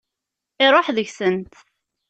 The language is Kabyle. Iṛuḥ deg-sent.